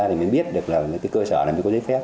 thì mới biết được cơ sở này có giấy phép